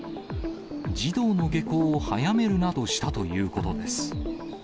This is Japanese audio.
児童の下校を早めるなどしたということです。